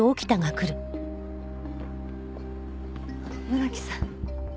村木さん。